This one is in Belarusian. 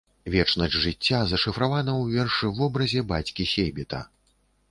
Вечнасць жыцця зашыфравана ў вершы ў вобразе бацькі-сейбіта.